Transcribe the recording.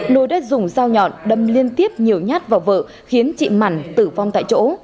nối đất rủng rào nhọn đâm liên tiếp nhiều nhát vào vợ khiến chị mặn tử vong tại chỗ